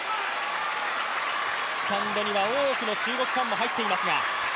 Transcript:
スタンドには多くの中国ファンも入っていますが。